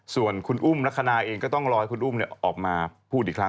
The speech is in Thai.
ส่วนคุณอุ้มลักษณะเองก็ต้องรอให้คุณอุ้มออกมาพูดอีกครั้ง